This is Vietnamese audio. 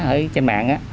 ở trong sổ đỏ giả